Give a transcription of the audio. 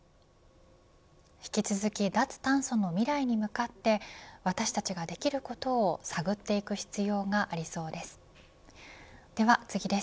引き続き脱炭素の未来に向かって私たちができることを探っていく必要がありそうです。